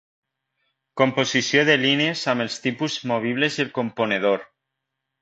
Composició de línies amb els tipus movibles i el componedor.